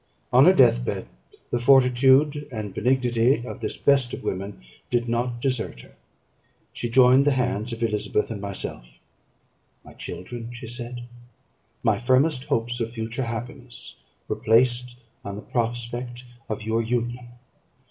On her death bed the fortitude and benignity of this best of women did not desert her. She joined the hands of Elizabeth and myself: "My children," she said, "my firmest hopes of future happiness were placed on the prospect of your union.